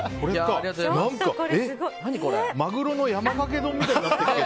何だ、マグロの山かけ丼みたいになってる。